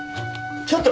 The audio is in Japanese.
ちょっと！